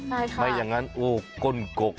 ได้ค่ะค่ะไม่อย่างนั้นก้นกก